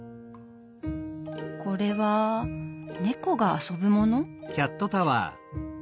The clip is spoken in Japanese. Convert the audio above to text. これは猫が遊ぶもの？